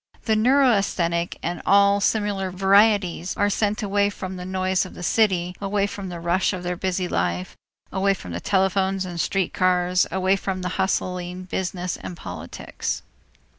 The neurasthenic and all similar varieties are sent away from the noise of the city, away from the rush of their busy life, away from telephones and street cars, away from the hustling business and politics.